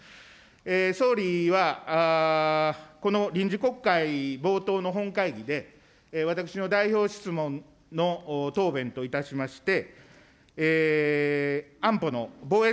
総理はこの臨時国会冒頭の本会議で、私の代表質問の答弁といたしまして、安保の防衛